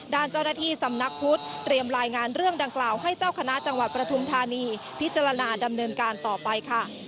ด้านเจ้าหน้าที่สำนักพุทธเตรียมรายงานเรื่องดังกล่าวให้เจ้าคณะจังหวัดประทุมธานีพิจารณาดำเนินการต่อไปค่ะ